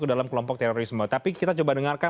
ke dalam kelompok terorisme tapi kita coba dengarkan